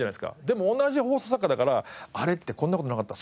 でも同じ放送作家だから「あれってこんな事なかった？」